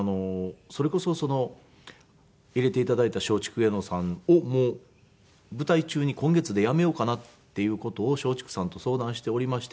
それこそ入れて頂いた松竹芸能さんをもう舞台中に今月で辞めようかなっていう事を松竹さんと相談しておりまして。